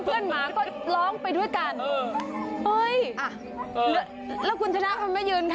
เพื่อนหมาก็ร้องไปด้วยกันแล้วคุณธนับมันไม่ยืนค่ะ